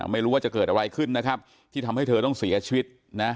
ไม่รู้ว่าจะเกิดอะไรขึ้นนะครับที่ทำให้เธอต้องเสียชีวิตนะ